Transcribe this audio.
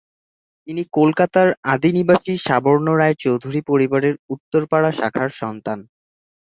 তিনি কলকাতার আদি নিবাসী সাবর্ণ রায়চৌধুরী পরিবারের উত্তরপাড়া শাখার সন্তান।